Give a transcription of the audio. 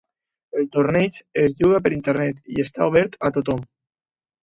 El torneig es juga per Internet i està obert a tothom.